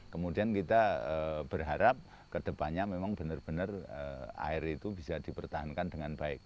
kemudian kita berharap ke depannya memang benar benar air itu bisa dipertahankan dengan baik